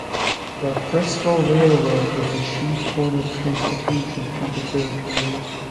The Frisco Railroad was the chief form of transportation through the Territory.